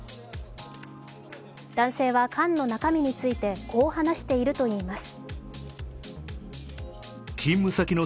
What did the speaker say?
男性は缶の中身についてこう話しているといいます。